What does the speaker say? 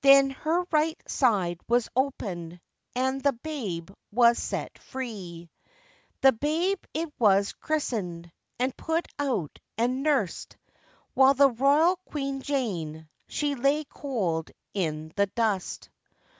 Then her right side was opened, And the babe was set free. The babe it was christened, And put out and nursed, While the royal Queen Jane She lay cold in the dust.